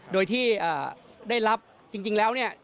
โดยที่ได้รับจริงแล้ว